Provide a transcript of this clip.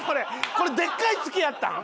これでっかい月やったん？